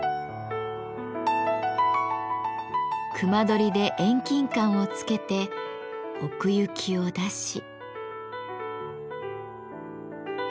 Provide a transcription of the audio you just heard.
隈取りで遠近感をつけて奥行きを出し。